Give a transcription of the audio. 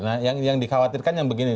nah yang dikhawatirkan yang begini